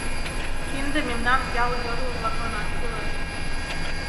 Кинде мемнан ял йорло-влакланат кӱлеш...